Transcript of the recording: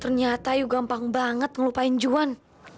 ternyata ayu gampang banget ngelupain jual